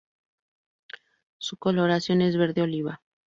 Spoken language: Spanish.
Su coloración es verde oliva.